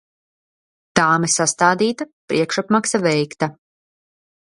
Tāme sastādīta, priekšapmaksa veikta.